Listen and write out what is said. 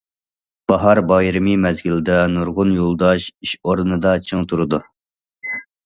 باھار بايرىمى مەزگىلىدە، نۇرغۇن يولداش ئىش ئورنىدا چىڭ تۇرىدۇ.